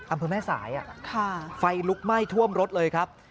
อำเภอแม่สายไฟลุกไหม้ท่วมรถเลยครับ